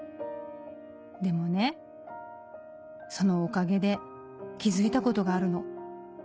でもねそのおかげで気付いたことがあるの」。